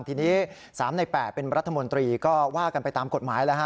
ทีนี้๓ใน๘เป็นรัฐมนตรีก็ว่ากันไปตามกฎหมายแล้วฮะ